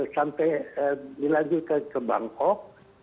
sampai dilanjutkan ke bangkok